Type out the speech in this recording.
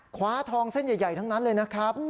คว้าทองเส้นใหญ่ทั้งนั้นเลยนะครับ